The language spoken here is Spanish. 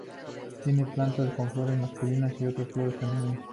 Tiene plantas con flores masculinas y otras con flores femeninas.